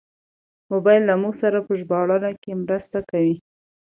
موبایل له موږ سره په ژباړه کې مرسته کوي.